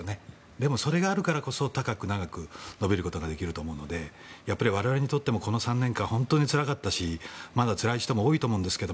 でもそれがあるからこそ高く長く伸びることができると思うのでやっぱり我々にとってもこの３年間、本当につらかったしまだつらい人も多いと思いますが